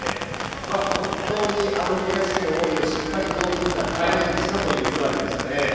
本当に悔しい思いをしっかりとばねにしたというＳＵＢＡＲＵでしたね。